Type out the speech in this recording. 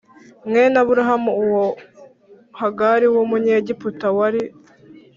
mwene Aburahamu uwo Hagari w Umunyegiputakazi wari